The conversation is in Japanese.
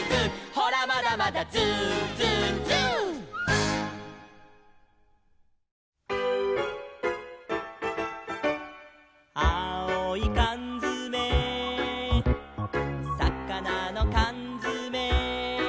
「ほらまだまだＺｏｏＺｏｏＺｏｏ」「あおいかんづめ」「さかなのかんづめ」